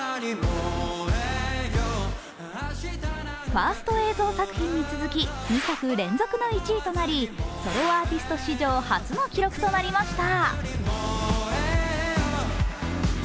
ファースト映像作品に続き、２作連続の１位となり、ソロアーティスト史上初の記録となりました。